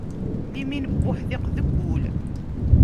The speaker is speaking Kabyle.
Limin n uḥdiq deg ul.